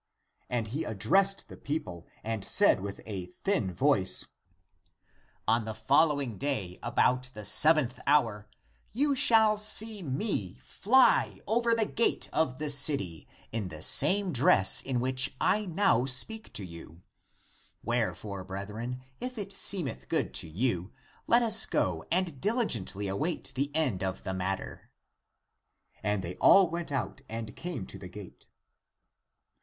And he addressed the people and said with a thin voice, " On the following day about the seventh hour you shall see me fly over the gate of the city in the same dress in which I now speak to you. Wherefore, brethren, if it seemeth good to you, let us go and diligently await the end of the matter." And they all went out and came to the gate.